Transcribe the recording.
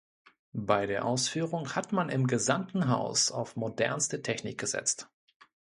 Bei der Ausführung hat man im gesamten Haus auf modernste Technik gesetzt.